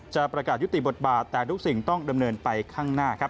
จะประกาศยุติบทบาทแต่ทุกสิ่งต้องดำเนินไปข้างหน้าครับ